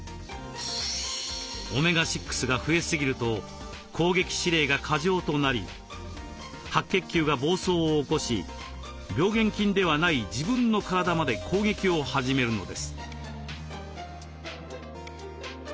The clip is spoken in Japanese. オメガ６が増えすぎると攻撃指令が過剰となり白血球が暴走を起こし病原菌ではない自分の体まで攻撃を始めるのです。